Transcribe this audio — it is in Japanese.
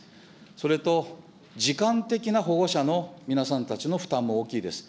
それと時間的な保護者の皆さんたちの負担も大きいです。